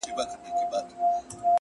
بيا به تاوان راکړې د زړگي گلي’